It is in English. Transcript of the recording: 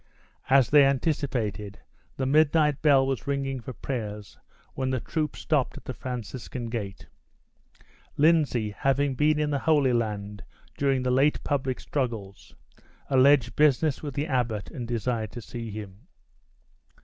As they had anticipated, the midnight bell was ringing for prayers when the troop stopped at the Franciscan gate. Lindsay, having been in the Holy Land during the late public struggles, alleged business with the abbot, and desired to see him.